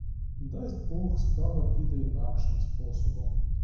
Дасть бог, справа піде інакшим способом!